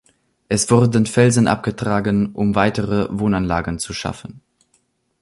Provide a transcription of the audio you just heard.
Es wurden Felsen abgetragen, um weitere Wohnanlagen zu schaffen.